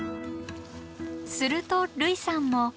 すると類さんも。